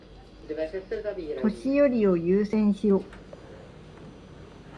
年寄りを優先しろ。